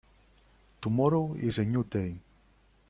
Tomorrow is a new day.